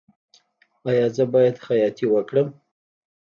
ایا زه باید خیاطۍ وکړم؟